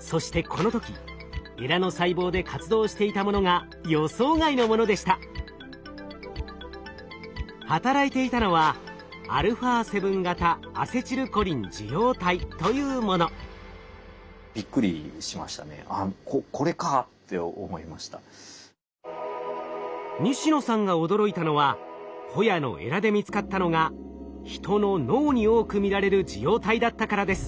そしてこの時エラの細胞で活動していたものが働いていたのは西野さんが驚いたのはホヤのエラで見つかったのがヒトの脳に多く見られる受容体だったからです。